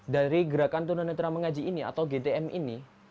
dari gerakan tunanetra mengaji ini atau gtm ini